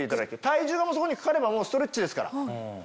体重がそこにかかればもうストレッチですから。